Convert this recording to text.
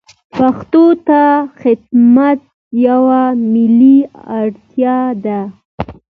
پښتو ته خدمت یوه ملي اړتیا ده.